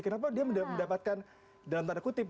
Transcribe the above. kenapa dia mendapatkan dalam tanda kutip